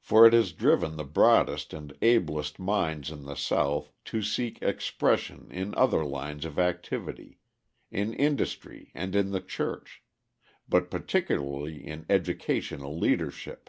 For it has driven the broadest and ablest minds in the South to seek expression in other lines of activity, in industry and in the church, but particularly in educational leadership.